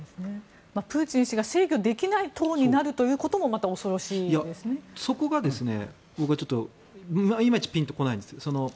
プーチン氏が制御できない党になることもそこが僕はいまいちピンと来ないんです。